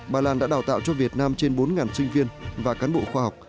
bà lan đã đào tạo cho việt nam trên bốn sinh viên và cán bộ khoa học